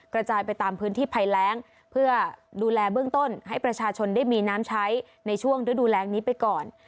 กระจายไปตามพื้นที่ภัยแรงเพื่อดูแลเบื้องต้นให้ประชาชนได้มีน้ำใช้ในช่วงฤดูแรงนี้ไปก่อน